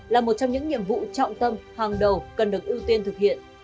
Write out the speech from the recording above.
là một trong những nhiệm vụ trọng tâm hàng đầu cần được ưu tiên thực hiện